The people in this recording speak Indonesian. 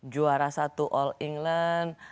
juara satu all england